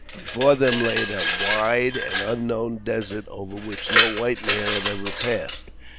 Before them lay a wide and unknown desert, over which no white man had ever passed.